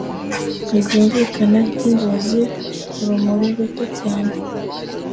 ntibyumvikana nkinzozi! urumuri ruto cyane